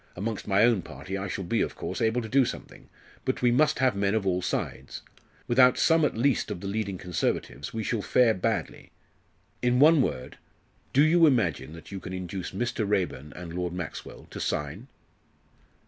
Amongst my own party I shall be, of course, able to do something, but we must have men of all sides. Without some at least of the leading Conservatives, we shall fare badly. In one word do you imagine that you can induce Mr. Raeburn and Lord Maxwell to sign?"